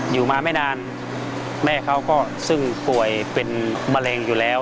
อยู่มาไม่นานแม่เขาก็ซึ่งป่วยเป็นมะเร็งอยู่แล้ว